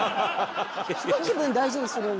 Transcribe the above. すごい気分大事にするんだ。